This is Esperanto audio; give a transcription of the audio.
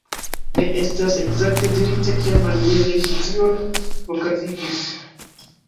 Ne estas ekzakte dirite kiamaniere ŝi tion okazigis.